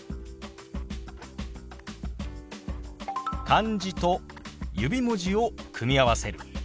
漢字と指文字を組み合わせる。